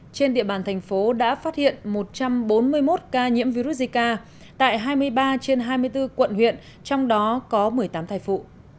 trên địa bàn thành phố đã phát hiện một trăm bốn mươi một ca nhiễm virus zika tại hai mươi ba trên hai mươi bốn quận huyện trong đó có một mươi tám thai phụ